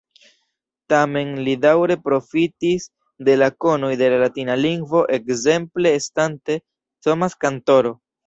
Tamen li daŭre profitis de la konoj de la latina lingvo ekzemple estante Thomas-kantoro.